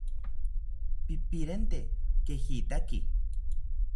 ¡Pipirente kejitaki!